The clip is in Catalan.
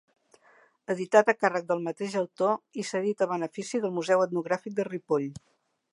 Editat a càrrec del mateix autor i cedit a benefici del Museu etnogràfic de Ripoll.